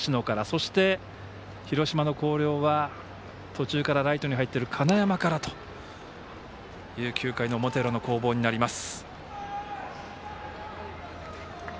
そして、広島の広陵は途中からライトに入っている金山からという９回の表裏の攻防になります。